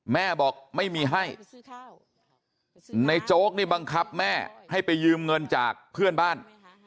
แม่บอกไม่มีให้ในโจ๊กนี่บังคับแม่ให้ไปยืมเงินจากเพื่อนบ้าน